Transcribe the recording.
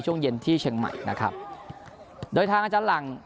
ช่วงเย็นที่เชียงใหม่นะครับโดยทางอาจารย์หลัง